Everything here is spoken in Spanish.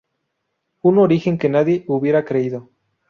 Un origen que nadie hubiera creído...